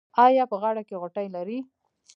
ایا په غاړه کې غوټې لرئ؟